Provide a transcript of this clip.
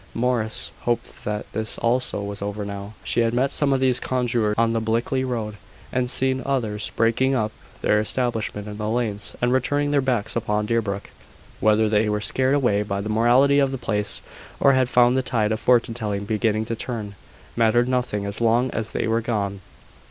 Morris hoped that this also was over now. She had met some of these conjurors on the Blickley road; and seen others breaking up their establishment in the lanes, and turning their backs upon Deerbrook. Whether they were scared away by the mortality of the place, or had found the tide of fortune telling beginning to turn, mattered nothing as long as they were gone.